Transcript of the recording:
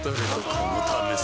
このためさ